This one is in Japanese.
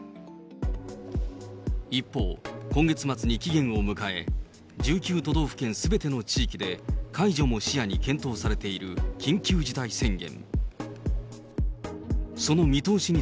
一方、今月末に期限を迎え、１９都道府県すべての地域で、解除も視野に検討されている緊急事態宣言。